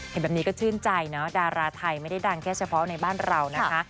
เห็นแบบนี้ก็ชื่นใจนะดาราไทยไม่ได้ดังแค่เฉพาะในบ้านเรานะคะ